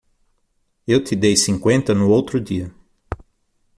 Eu te dei cinquenta no outro dia.